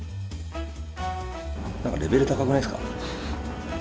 レベル高くないですか？